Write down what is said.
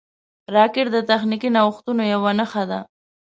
راکټ د تخنیکي نوښتونو یوه نښه ده